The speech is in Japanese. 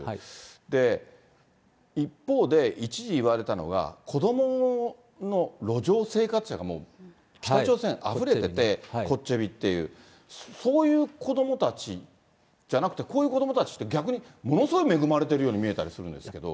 で、一方で一時言われたのは、子どもの路上生活者が、もう、北朝鮮あふれてて、コッチェビ、っていうそういう子どもたちじゃなくて、こういう子どもたちって逆にものすごく恵まれているように見えるんですけれども。